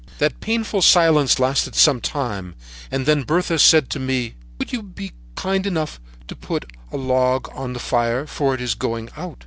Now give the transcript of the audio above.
"That painful silence lasted some time, and then Bertha said to me: "'Will you kindly put a log on the fire for it is going out.'